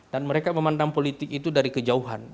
dan mereka memandang politik itu dari kejauhan